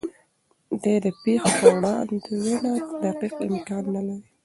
د دې پېښو وړاندوینه دقیق امکان نه لري.